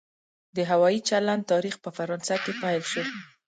د هوایي چلند تاریخ په فرانسه کې پیل شو.